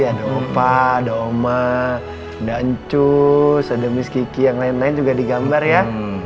ada opah ada oma ada ncus ada miss kiki yang lain lain juga digambar ya